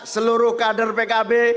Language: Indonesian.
semua kader pkb